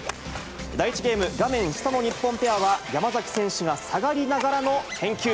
第１ゲーム、画面下の日本ペアは、山崎選手が下がりながらの返球。